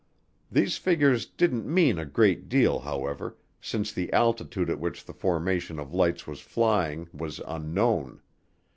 These figures didn't mean a great deal, however, since the altitude at which the formation of lights was flying was unknown.